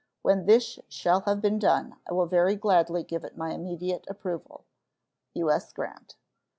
When this shall have been done, I will very gladly give it my immediate approval. U.S. GRANT.